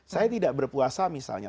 saya tidak berpuasa misalnya